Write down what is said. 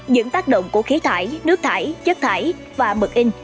những tác động của khí thải nước thải chất thải và mực in